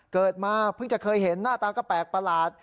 เกิดมาเพิ่งจะเคยเห็นหน้าตาก็แปลกประหลาด